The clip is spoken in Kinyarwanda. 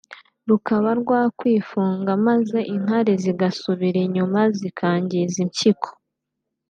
rukaba rwakwifunga maze inkari zigasubira inyuma zikangiza impyiko